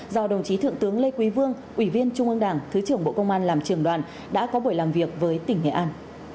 do đồng chí thượng tướng lê quý vương ủy viên trung ương đảng thứ trưởng bộ công an làm trường đoàn đã có buổi làm việc với tỉnh nghệ an